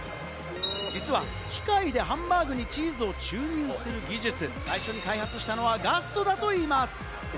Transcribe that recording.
実は機械でハンバーグにチーズを注入する技術、最初に開発したのはガストだといいます。